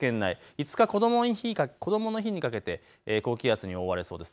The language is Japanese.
５日、こどもの日にかけて高気圧に覆われそうです。